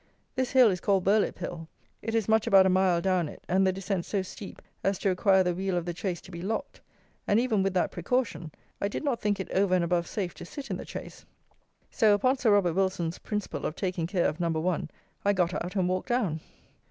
This hill is called Burlip Hill; it is much about a mile down it, and the descent so steep as to require the wheel of the chaise to be locked; and even with that precaution, I did not think it over and above safe to sit in the chaise; so, upon Sir Robert Wilson's principle of taking care of Number One, I got out and walked down.